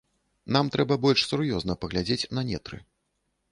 Нам трэба больш сур'ёзна паглядзець на нетры.